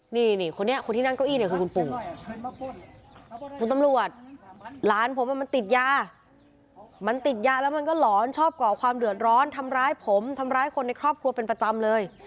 นี่คนนี้คนที่นั่งเก้าอี้เนี่ยคือคุณปู่คุณตำรวจหลานผมมันติดยามันติดยาแล้วมันก็หลอนชอบก่อความเดือดร้อนทำร้ายผมทำร้ายคนในครอบครัวเป็นประจำเลย